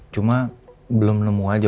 cuma belum nemu aja